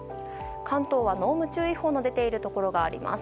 関東は濃霧注意報の出ているところがあります。